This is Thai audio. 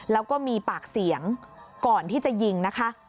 แล้วก็มีปากเสียงก่อนที่จะยิงนะคะ